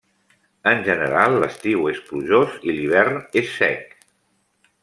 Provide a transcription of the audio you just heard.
En general l'estiu és plujós i l'hivern és sec.